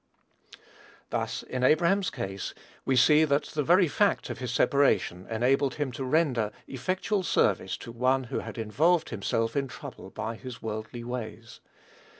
Thus, in Abraham's case, we see that the very fact of his separation enabled him to render effectual service to one who had involved himself in trouble by his worldly ways.